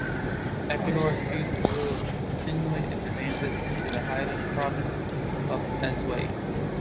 Ecuador accused Peru of continuing its advances into the highland province of Azuay.